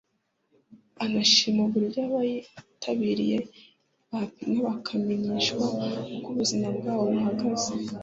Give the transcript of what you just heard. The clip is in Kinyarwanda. anashima uburyo abayitabira bapimwa bakamenyeshwa uko ubuzima bwabo buhagaze